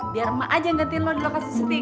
biar emak aja yang gantiin lo lo kasih setiap hari